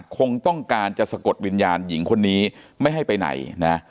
คงต้องการจะสะกดวิญญาณหญิงคนนี้ไม่ให้ไปไหนนะ